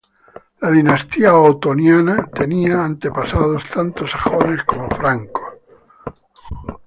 La dinastía otoniana tenía antepasados tanto sajones como francos.